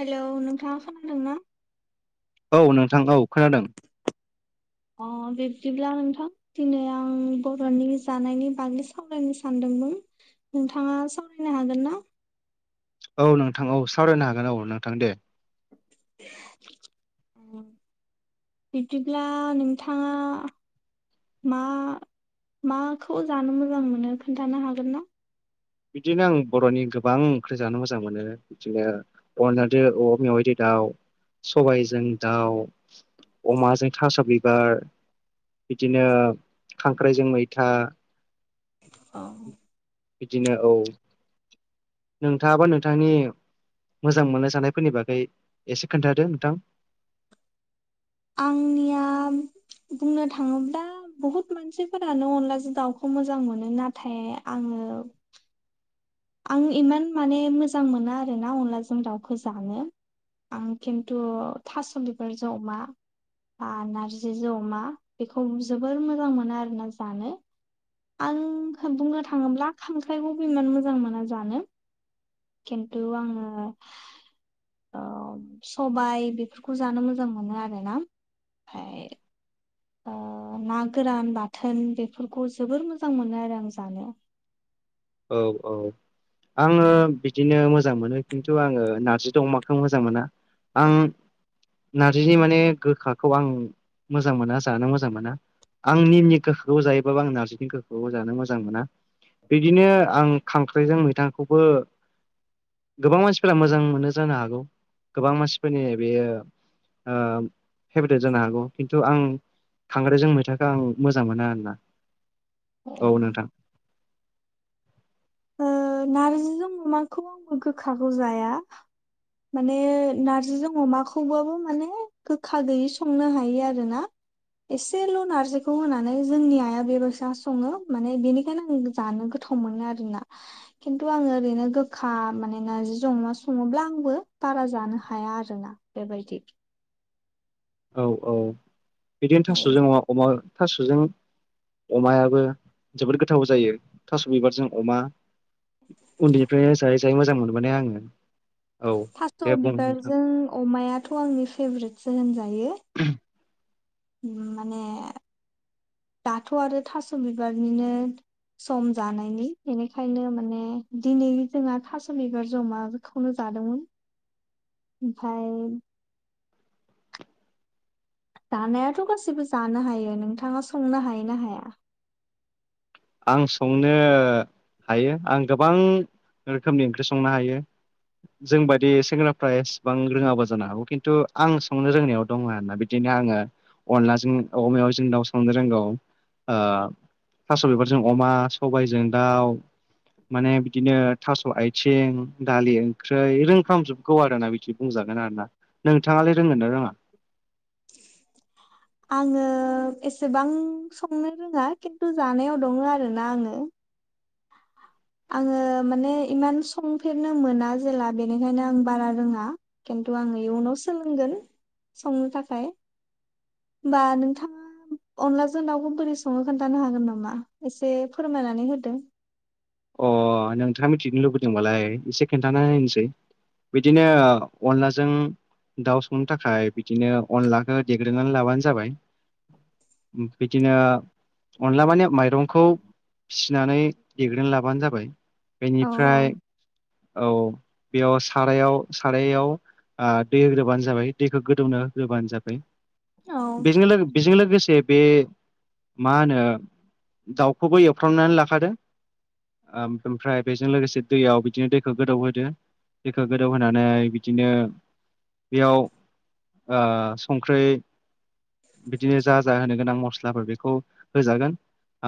Hello नोंथाङा खोनादों ना? औ नोंथां औ खोनादों। [inaudible] अ बिब्दिब्ला नोंथां दिनै आं बरनि जानायनि बागै सावरायनो सानदों मोन नोंथाङा सावरायनो हागोन ना? औ नोंथां औ सावरायनो हागोन औ नोंथां दे। औ। बिदिब्ला नोंथाङा? मा माखौ जानो मोजां मोनो खोनथानो हागोन ना? बिदिनो आं बरनि गोबां ओंख्रि जानो मोजां मोनो बिदिनो अरनाद अ मेवायदि दा सबबायजों दाउ अमाजों थास बिबार। बिदिनो खांख्राइजों मैथा। औ। बिदिनो औ नोंथाङाबा नोंथांनि मोजां मोननाय जानायफोरनि बागै एसे खोन्थादो नोंथां। आंनिया। बुंनो थाङोब्ला बहुत मानसिफोरानो अनलाजों दाउखौ मोजां मोनो नाथाय आङो [inaudible] आं इमान माने मोजां मोना आरोना अनलाजों दाउखौ जानो। आं खिन्थु थास' बिबारजों अमा। नारजि जमा बेखौ जोबोर मोजां मोनो आरोना जानो। आं बुंनो थाङोब्ला खांख्राइखौबो इमान मोजां मोना जानो। खिन्थु आङो। सबाय बेफोरखौ जानो मोजां मोनो आरोना। ह ओ ना गोरान बाथोन बेफोरखौ जोबोर मोजां मोनो आरो आं जानो औ औ। आङो बिदिनो मोजां मोनो खिन्थु आङो नारजि द अमाखौ मोजां मोना। आं। नारजिनि माने गोखाखौ आं मोजां मोना जानो मोजां मोना। आं निमनि गोखोखौ जायोबाबो आं नार्जिनि गोखोखौ जानो मोजां मोना बे। बिदिनो आं खांख्राइजों मैथाखौबो गोबां मानसिफोरा मोजां मोनो जानो हागौ गोबां मानसिफोरनि बेयो ओ फेभरेट जानो हागौ खिन्थु आं खांराइजों मैथाखौ आं मोजां मोना आरोना। औ। ओ नारजिजों अमाखौ आंबो गोखाखौ जाया। माने नारजिजों अमाखौबाबो माने गोखा गैयि संनो हायो आरोना। एसेल नारजिखौ होनानै जोंनि आइआ बेबायस सङो माने बेनिखायनो आं जानो गोथ थ' मोनो आरोना खिन्थु आङो ओरैनो गोखा माने नारजिजों अमा सङोब्ला आंबो बारा जानो हाया आरोना। बेबायदि। औ औ बिदिनो थास'जों ओमफ्राय अमा अमा थास'जों। अमायाबो जोबोद गोथाव जायो थास' बिबारजों अमा उन्दैनिफ्रायनो जायै जायै मोजां मोनबोनाय आङो। औ थास' दे बुं नोंथां बिबारजों अमायाथ' आंनि फेभरेटसो होनजायो। [inaudible] माने दाथ' आरो थास' बिबारनिनो सम जानायनि बेनिखायनो माने दिनै जोंहा थास' बिबार अमाखौनो जा दोंमोन। ओमफ्राय जानायाथ' गासिबो जानो हायो नोंथाङा संनो हायो ना हाया? आं संनो हायो आं गोबां रोखोमनि ओंख्रि संनो हायो। जों बायदि सेंग्राफ्रा एसेबां रोङाबो जानो हागौ खिन्थु आं संनो रोंनायाव दङ आरोना बिदिनो आङो अनलाजों औवा मेवाइजों दाउ संनो रोंगौ थास' बिबार जों अमा, सबायजों दाउ, माने बिदिनो थास' आथिं दालि ओंख्रै रोंफ्रामजोबगौ आरोना बिदि बुंजा गोन आरोना नोंथाङालाय रोंगोन ना रोङा? [inaudible] आङो एसेबां संनो रोङा खिन्थु जानायाव दङ आरोना आङो। आङो माने इमान संफेरनो मोना जेला बेनिखायनो आं बारा रोङा खि न्थु आङो इयुनाव सोलोंगोन संनो थाखाय होमबा नोंथाङा अनलाजों दाउखौ बोरै सङो खोनथानो हागोन नामा एसे फोरमायनानै होदो। अ नोंथाङा मिथिनो लुुबैदोंबालाय एसे खिन्थाना नायनोसै। बिदिनो अनलाजों दाउ संनो थाखाय बिदिनो अनलाखौ देग्रोनानै लाबानो जाबाय। बिदिनो अनला माने माइरंखौ फिसिनानै देग्रोना लाबानो जाबाय औ बेनिफ्राय औ बेयाव सारायाव सारायाव दै होग्रोबानो जाबाय दैखौ गोदौनो होग्रोबानो जाबाय। बेजों बेजों लोगोसे बे मा होनो दाउखौबो एवफ्रामनानै लाखादो ओमफ्राय बेजों लोगोसे दैयाव बिदिनो दैखौ गोदौ होदो दैखौ गोदौ होनानै बिदिनो बेयाव संख्रै बिदिनो जा जा होनो गोनां मस्लाफोर बेखौ होजागोन।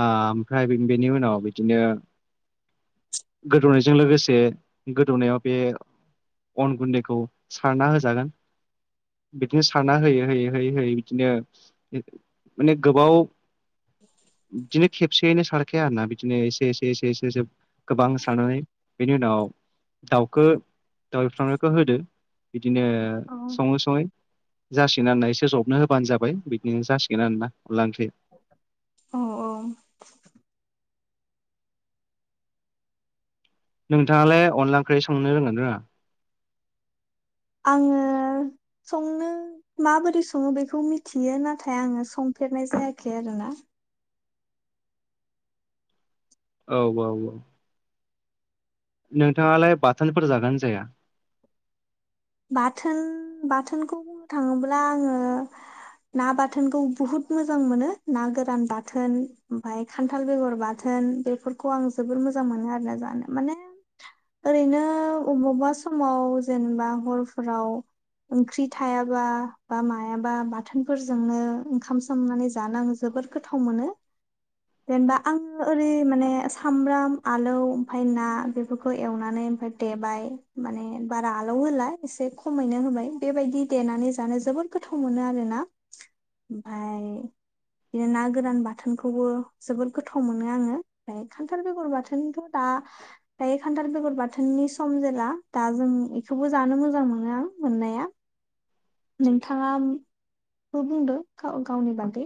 ओमफ्राय बेनि उनाव बिदिनो गोदौनायजों लोगोसे गोदौनायाव बे अन गुन्दैखौ सारना होजागोन बिदिनो सारना होयै होयै होयै होयै बिदिनो माने गोबाव बिदिनो खेबसेयैनो सारखाया आरो ना बिदिनो एसे एसे एसे एसे एसे गोबां सारनानै बेनि उनाव दाउखौ दाउ एउफ्रामनायखौ होदो। बिदिनो औ सङै सङै जासिगोन आरोना एसे जबनो होबानो जाबाय बिदिनो जासिगोन आरोना अनला ओंख्रि। औ औ नोंथाङालाय अनला ओंख्रि संनो रोंगोन रोङा? आङो संनो माबोरै सङो बेखौ मिथियो नाथाय आङो सं फेरनाय जायाखै आरोना। औ औ औ नोंथाङालाय बाथोनफोर जागोन जाया? बाथोन बाथोनखौ बुंनो थाङोब्ला आङो ना बाथोनखौ बुहुत मोजां मोनो ना गोरान बाथोन ओमफ्राय खान्थाल बेगर बाथोन बेफोरखौ आं जोबोर मोजां मोनो आरोना जानो माने ओरैनो अबावबा समाव जेनेबा हरफोराव ओंख्रि थायाबा बा मायाबा बाथोनफोरजोंनो ओंखाम सोमनानै जानांजोब बोर गोथाव मोनो जेनेबा आङो ओरै माने सामब्राम आलौ ओमफाय ना बेफोरखौ एवनानै ओमफाय देबाय माने बारा आलौ होला एसे खमैनो होबाय बेबायदि देनानै जानो जोबोद गोथाव मोनो आरोना ओमफाय बिदिनो ना गोरान बाथोनखौबो जोबोद गोथाव मोनो आङो ओमफाय खान्थाल बेगर बाथोनथ' दा दायो खान्थाल बेगर बाथोननि सम जेला दा जों बेखौबो जानो मोजां मोजां मोनो आं मोननाया नोंथाङाब-बो बुंदो गाव-गावनि बागै।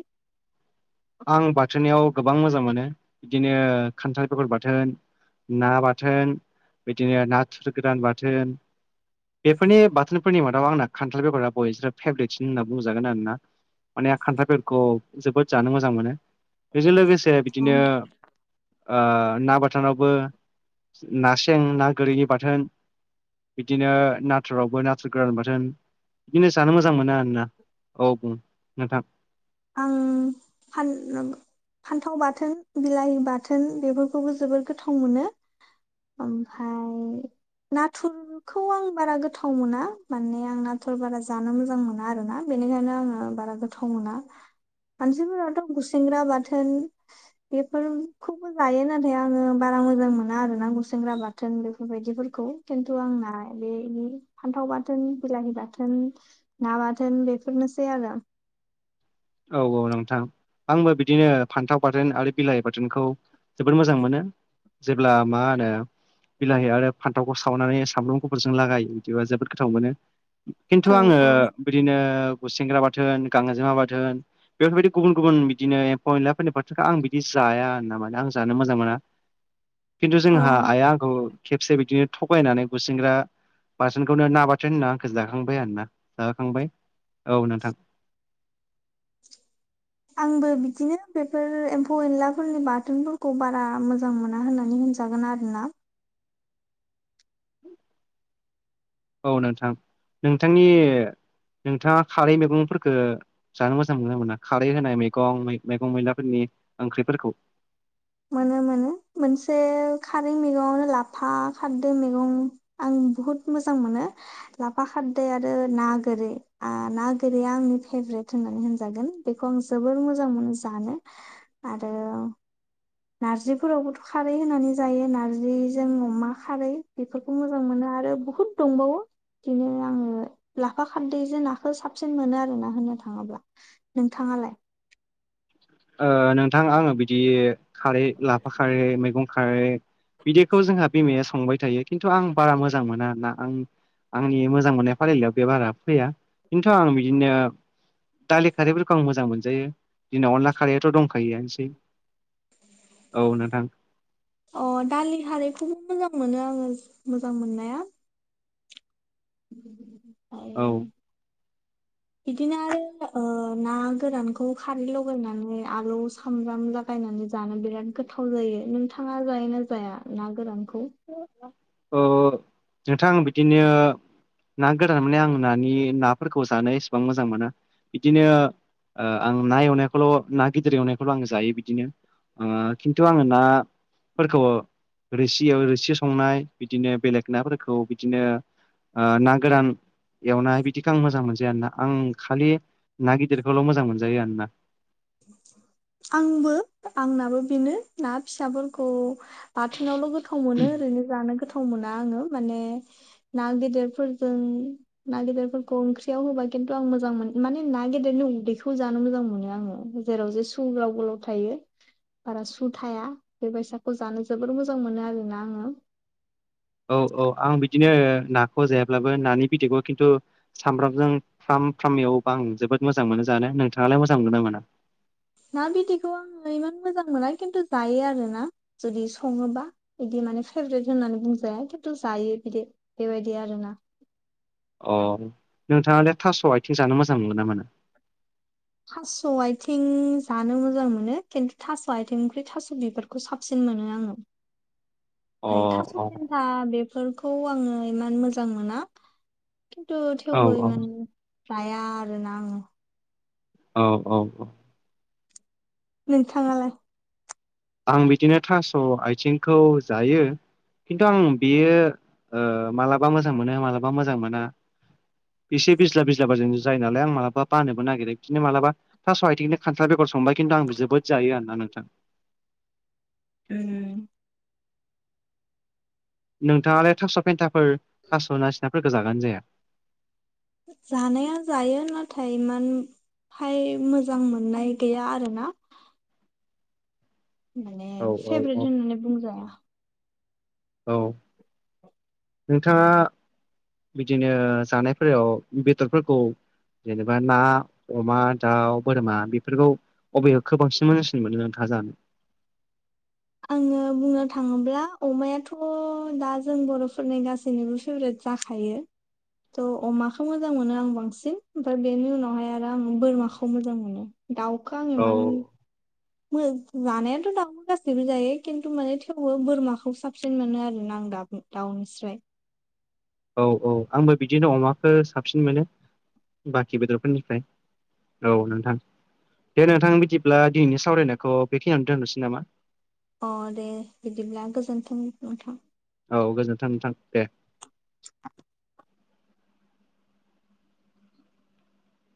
आं बाथोनियाव गोबां मोजां मोनो बिदिनो खान्थाल बेगर बाथोन ना बाथोन बिदिनो नाथुर गोरान बाथोन। बेफोरनि बाथोनफोरनि मादाव आंना खान्थाल बेगरा बयसो फेभरेटसिन होनना बुंजागोन आरोना। माने खान्थालबेखौ जोबोद जानो मोजां मोजां मोनो बेजों लोगोसे औ बिदिनो ओ ना बाथोनावबो ना सें ना गोरिनि बाथोन बिदिनो नाथुरावबो नाथुर गोरान बाथोन बिदिनो जानो मोजां मोनो आरोना औ बुं नोंथां आं फा फान्थाव बाथोन बिलाहि बाथोन बेफोरखौबो जोबोर गोथाव मोनो ओमफाय नाथुरखौ आं बारा गोथाव मोना माने आं नाथुर बारा जानो मोजां मोना आरोना बे बेनिखायनो आङो बारा गोथाव मोना मानसिफोराथ' गुसेंग्रा बाथोन बेफोरखौबो जायो नाथाय आङो बारा मोजां मोना आरो ना गुसेंग्रा बाथोन बेफोरबायदिफोरखौ खौ खिन्थु आंना बे -बे फान्थाव बाथोन बिलाहि बाथोन ना बाथोन बे बेफोरनोसै आरो औ -औ नोंथां आंबो बिदिनो फान्थाव बाथोन आरो बिलाहि बाथोनखौ जोबोद मोजां मोनो जेब्ला मा होनो बिलाहि आरो फान्थावखौ सावनानै सामब्राम गुफुरजों लागायो बिदिबा जोबोद गोथाव मोनो खिन्थु औ आङो औ बिदिनो गुसेेंग्रा बाथोन गांजेमा बाथ बेफोरबायदि गुबुन -गुबुन बिदिनो एम्फौ -एनला फोरनि बाथोनखौ आं बिदि जाया आरना मानो आं जानो मोजां मोना [inaudible] खिन्थु जोंहा औ आइया आंखौ खेबसे बिदिनो थगायनानै गुसिंग्रा बाथोनखौनो ना बाथोन होनना आंखौ जाखांबाय आरोना जाखांबाय औ नोंथां आंबो बिदिनो बेफोर एम्फौ-एनलाफोरनि बाथोनफोरखौ बारा मोजां मोना होननानै बुं जागोन आरो ना औ नोंथां -नोंथांनि नोंथाङा खारै मैगंफोरखौ जानो मोजां मोनो मोना खारै होनाय मैगं -मैगं मैलाफोरनि ओंख्रिफोरखौ मोनो- मोनो मोनसे खारै मैगङआवनो लाफा खारदै मैगं आं बहुत मोजां मोनो लाफा खारदै आरो ना गोरि ना आ गोरैया आंनि फे ब्रेद होननानै होनजागोन बेखौ आं जोबोर मोजां मोनो जानो आरो नार्जिफोरावबोथ' खारै होनानै जायो नार्जिजों अमा खारै बेफोरखौ मोजां मोनो आरो बहुत दं बावो बिदिनो आङो लाफा खारदैजों नाखौ साबसिन मोनो आरो ना होननो थाङोब्ला नोंथां आलाय ओ नोंथां आङो बिदि खारै लाफा खारै मैगं खारै बिदिखौ जोंहा बिमाया संबाय थायो खिन्थु आं बारा मोजां मोना आरोना आं आंनि मोजां मोननाय फारिलाइयाव बे बारा फैया खिन्थु आं बिदिनो दालि खारैफोरखौ आं मोजां मोनजायो दिनाव अन ला खारैयाथ' दंखायोआनोसै औ नोंथां। अ दालि हारैखौबो मोजां मोनो आङो मोजां मोननाया। ओमफ्राय औ [inaudible] बिदिनो आरो ना गोरानखौ खारै लगायनानै आलु सामब्राम लागायनानै जानो बिराद गोथाव जायो नोंथाङा जायो ना जाया ना गोरान? औ नोंथां बिदिनो ना गोरान माने आं नानि नाफोरखौ जानो इसेबां मोजां मोनो बिदिनो आं ना एवनायखौल' ना गिदिर एवनायखौल' आं जायो बिदिनो खिन्थु आङो नाफोरखौ रोसि खिथियाव रोसि संनाय बिदिनो बेलेग नाफोरखौ बिदिनो ना गोरान एवनाय बिदिखौ आं मोजां मोनजाया आरोना आं खालि ना गिदिरखौल' मोजां मोनजायो आरोना । [inaudible] आंबो आंनाबो बेनो ना फिसाफोरखौ बाथोनावल' गो गोथाव मोनो ओरैनो जानो गोथाव गोथाव मोना आङो माने ना गेदेरफोरखौ ना गेदरफोरखौ ओंख्रियाव होबा खिन्थु आं मोजां मोनो माने ना गेेदेरनि उदैखौ जानो मोजां मोनो आङो जेराव जे सु गोलाव गोलाव थायो । बारा सु थाया बेबायसाखौ जानो जोबोर मोजां मोनो आरोना आङो । औ औ आं बिदिनो नाखौ जायाब्लाबो नानि बिदैखौ खिन्थु सामब्रामजों फ्राम फ्राम एवयोबा आं जोबोद मोजां मोनो जानो नोंथाङालाय मोजां मोनो मोना? ना बिदैखौ आङो इमान मोजां मोना खिन्थु जायो आरो ना जुदि सङोबा बिदि माने फेभ्रेट होननानै बुंजाया खिन्थु जायो बिदि बेबायदि आरोना । अ नोंथांया थास' आथिं जानो मोजां मोनो ना मोना? थास' आथिं जानो मोजां मोनो खिन्थु थास' आथिं ओख्रि थास' बिबारखौ साबसिन मोनो [inaudible] अ ओमफ्राय थास' अ खन्था बेफोरखौ आङो इमान मोजां मोना । खिन्थु औ थेवबो इमान जाया आरो ना आङो । औ औ औ । नोंथाङालाय? आं बिदिनो थास' आथिंखौ जायो । खिन्थु आं बियो मालाबा मोजां मोनो मालाबा मोजां मोना । एसे बिज्ला बिज्ला बा जों जायो नालाय आं मालाबा बानोबो नागिरो बिदिनो मालाबा थास'आथिंजों खथ्रा बेगर संबाय खिन्थु आं जोबोद जायो आरोना नोंथां । [inaudible] नोंथाङालाय थास' पेन्टाफोर थास' ना सिनाफोरखौ जागानो जाया? जानाया जायो नाथाय इमान हाय मोजां मोननाय गैया आरोना । माने औ औ औ फेभ्रेट होननानै बुंजाया । औ नोंथाङा बिदिनो जानायफोराव बेदरफोरखौ जेनेबा ना अमा दाउ बोरमा बेफोरखौ अबेखौ बांसिन मोजांसिन मोनो नोंथाङा जानो? आङो बुंनो थाङोब्ला अमायाथ' दा जों बर'फोरनि गासैनोबो फेभ्रेट । जाखायो। थ' अमाखौ मोजां मोनो आं बांसिन ओमफ्राय बेनि उनावहाय आरो आं बोरमाखौ मोजां मोनो । दावखौ आं औ इमान जानायाथ' दउखौ गासैबो जायो खिनथु माने थेवबो बोरमाखौ साबसिन मोनो आरोना । दाउ निस्राय औ औ आंबो बिदिनो अमाखौ साबसिन मोनो बाखि बेदरफोरनिफ्राय औ नोंथां दे नोंथां बिदिब्ला दिनैनि सावरायनायखौ बेखिनियाव दोनथ'नोसै नामा? अ दे बिदिब्ला गोजोन्थों नोंथां । औ गोजोन्थों नोंथां दे । [inaudible]